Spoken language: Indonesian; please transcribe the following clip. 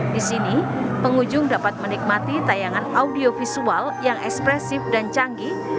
di sini pengunjung dapat menikmati tayangan audio visual yang ekspresif dan canggih